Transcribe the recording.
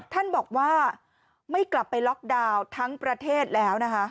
ท่านบอกว่าไม่กลับไปล็อกดาวน์ทั้งประเทศแล้วนะคะ